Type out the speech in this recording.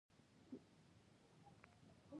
سیلابونه د افغانستان د زرغونتیا یوه څرګنده نښه ده.